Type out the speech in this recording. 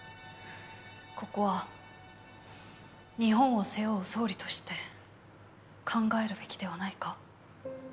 ここは日本を背負う総理として考えるべきではないか？